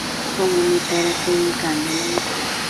عمومي ترقي امکان نه لري.